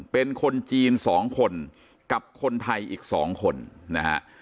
เป็นคนจีน๒คนกับคนไทยอีก๒คนนะฮะ